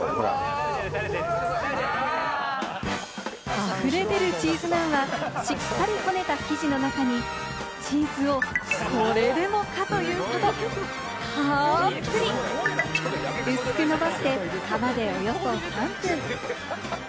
あふれ出るチーズナンは、しっかりこねた生地の中にチーズをこれでもかというほどたっぷり！薄く伸ばして、窯でおよそ３分。